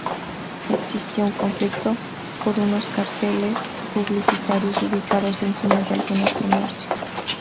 Existió un conflicto por unos carteles publicitarios ubicados encima de algunos comercios.